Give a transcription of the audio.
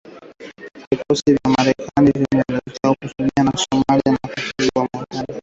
Vikosi vya Marekani vimekuwa vikifanya kazi kwa miaka mingi na vikosi vya Somalia katika juhudi zao za kuwadhibiti al-Shabaab